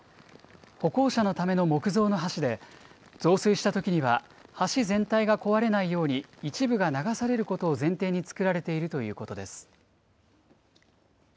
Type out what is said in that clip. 歩行者のための木造の橋で、増水したときには橋全体が壊れないように、一部が流されることを前提につくられているということです。